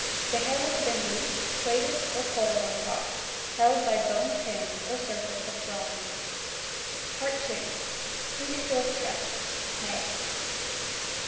The hair would have been loose, plaited, or coiled on top, held by bone pins or circlets of bronze. PREHISTORIC DRESS. MALE.